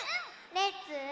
レッツ。